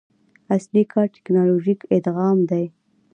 اصلي کار ټکنالوژیک ادغام دی.